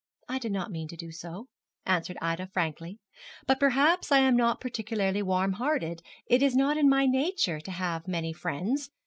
'I did not mean to do so,' answered Ida, frankly; 'but perhaps I am not particularly warm hearted. It is not in my nature to have many friends.